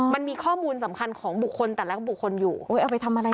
มันมีข้อมูลสำคัญของบุคคลแต่ละบุคคลอยู่เอาไปทำอะไร